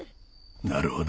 なるほど。